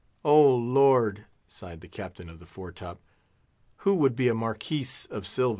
"Oh, Lord!" sighed the Captain of the Fore top, "who would be a Marquis of Silva?"